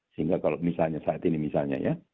sehingga kalau misalnya saat ini misalnya ya